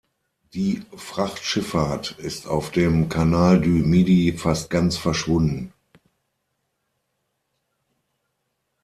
Die Frachtschifffahrt ist auf dem Canal du Midi fast ganz verschwunden.